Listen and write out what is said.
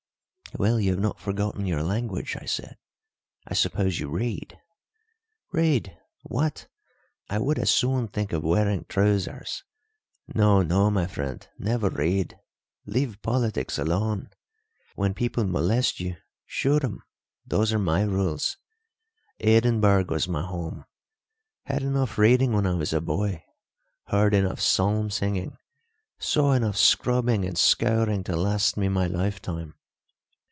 "Well, you have not forgotten your language," I said. "I suppose you read?" "Read! What! I would as soon think of wearing trousers. No, no, my friend, never read. Leave politics alone. When people molest you, shoot 'em those are my rules. Edinburgh was my home. Had enough reading when I was a boy; heard enough psalm singing, saw enough scrubbing and scouring to last me my lifetime.